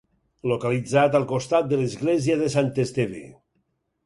Localitzat al costat de l'església de Sant Esteve.